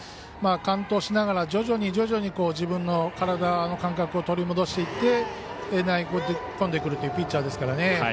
完投しながら徐々に徐々に自分の体の感覚を取り戻していって投げ込んでくるというピッチャーですから。